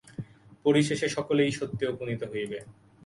পরিশেষে সকলেই সত্যে উপনীত হইবে।